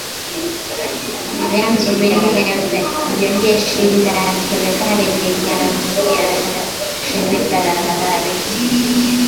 vyanzo vinne vya jeshi la serikali vililiambia shirika la habari